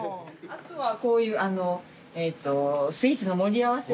あとはこういうあのうスイーツの盛り合わせ。